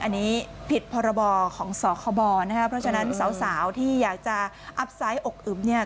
อันนี้ผิดพรบของสคบนะครับเพราะฉะนั้นสาวที่อยากจะอัพไซดอกอึมเนี่ย